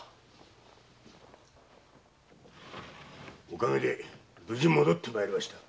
おかげで無事に戻って参りました。